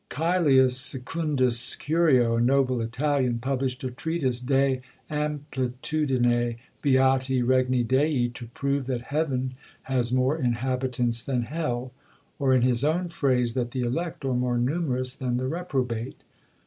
Cælius Secundus Curio, a noble Italian, published a treatise De Amplitudine beati Regni Dei, to prove that Heaven has more inhabitants than Hell, or, in his own phrase, that the elect are more numerous than the reprobate.